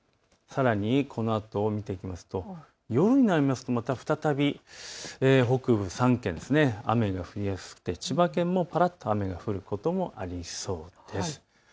さらにこのあとを見ていきますと夜になりますとまた再び北部３県、雨が降りやすくて千葉県もぱらっと雨が降ることもありそうです。